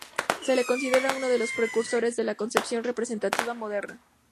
Se le considera uno de los precursores de la concepción representativa moderna.